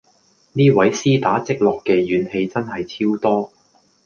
呢位絲打積落嘅怨氣真係超多